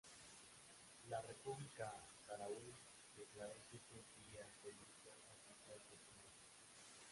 La República Saharaui declaró siete días de luto oficial por su muerte.